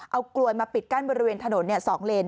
เอากลวยมาปิดกั้นบริเวณถนน๒เลน